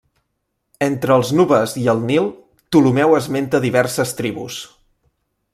Entre els nubes i el Nil, Ptolemeu esmenta diverses tribus.